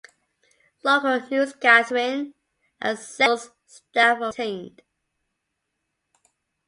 Local newsgathering and sales staff were retained.